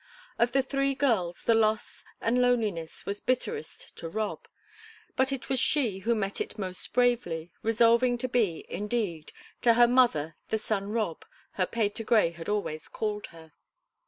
Of the three girls the loss and loneliness was bitterest to Rob, but it was she who met it most bravely, resolving to be, indeed, to her mother the "son Rob" her "Patergrey" had always called her.